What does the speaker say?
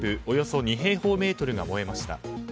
およそ２平方メートルが燃えました。